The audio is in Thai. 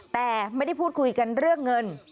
แต่ไม่ได้พูดคุยกันเรื่องเงิน